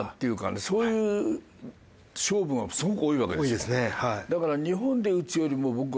多いですねはい。